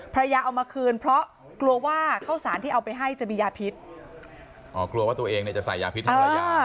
เอามาคืนเพราะกลัวว่าข้าวสารที่เอาไปให้จะมียาพิษอ๋อกลัวว่าตัวเองเนี่ยจะใส่ยาพิษให้ภรรยา